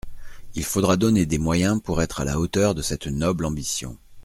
Il faudra donner des moyens pour être à la hauteur de cette noble ambition.